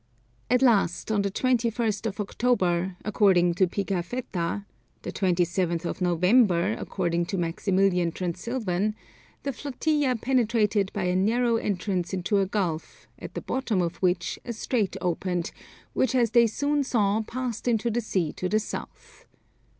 At last on the 21st of October, according to Pigafetta, the 27th of November according to Maximilian Transylvain, the flotilla penetrated by a narrow entrance into a gulf, at the bottom of which a strait opened, which as they soon saw passed into the sea to the south.